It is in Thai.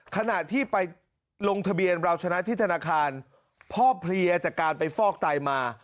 ขณะที่ไปลงทะเบียนเราชนะที่ธนาคารพ่อเพลียจากการไปฟอกไตมา